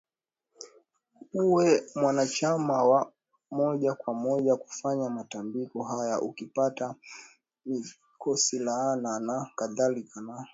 uwe mwanachama wa moja kwa moja kufanya matambiko haya Ukipata mikosilaana nakadhalika na